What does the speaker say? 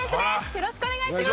よろしくお願いします！